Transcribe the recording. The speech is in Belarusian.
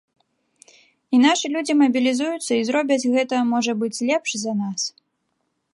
І нашы людзі мабілізуюцца і зробяць гэта, можа быць, лепш за нас.